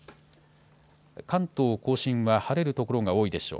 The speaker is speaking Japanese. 関東甲信は晴れる所が多いでしょう。